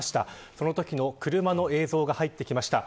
そのときの車の映像が入ってきました。